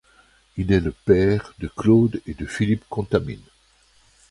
Il est le père de Claude et de Philippe Contamine.